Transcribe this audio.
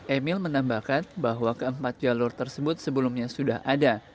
emil menambahkan bahwa keempat jalur tersebut sebelumnya sudah ada